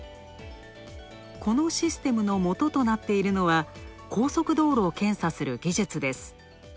このシステムの元となっているのは高速道路を検査する技術です。